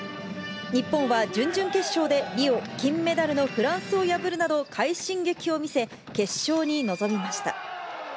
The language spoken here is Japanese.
日本は準々決勝でリオ金メダルのフランスを破るなど、快進撃を見せ、決勝に臨みました。